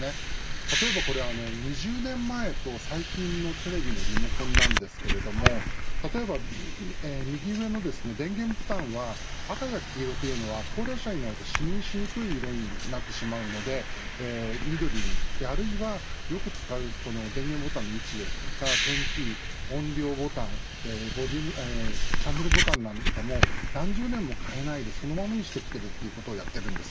例えば２０年前と最近のテレビのリモコンなんですけれども例えば右上の電源ボタンは赤や黄色が高齢者になると視認しにくい色になってしまうので緑に、あるいはよく使う電源ボタンの位置ですとかテンキー音量ボタンチャンネルボタンなんかも何十年も変えないでそのままにしてきているということやってきています。